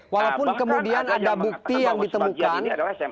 walaupun kemudian ada bukti yang ditemukan